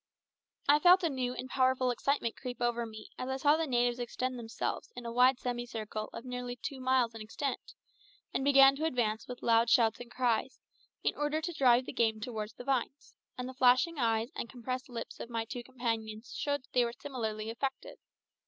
I felt a new and powerful excitement creep over me as I saw the natives extend themselves in a wide semicircle of nearly two miles in extent, and begin to advance with loud shouts and cries, in order to drive the game towards the vines, and the flashing eyes and compressed lips of my two companions showed that they were similarly affected.